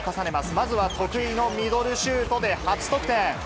まずは得意のミドルシュートで初得点。